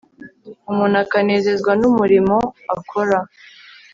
umuntu akanezezwa n'umurimo akora